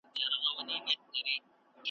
اووه کاله خلکو وکرل کښتونه ,